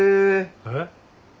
えっ？